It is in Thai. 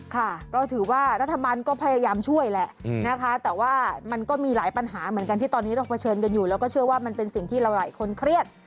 ค่ะก็ถือว่ารัฐบาลก็พยายามช่วยแหละนะคะแต่ว่ามันก็มีหลายปัญหาเหมือนกันที่ตอนนี้เราเผชิญกันอยู่แล้วก็เชื่อว่ามันเป็นสิ่งที่เราหลายคนเครียด